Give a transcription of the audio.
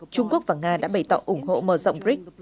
trung quốc và nga đã bày tỏ ủng hộ mở rộng brics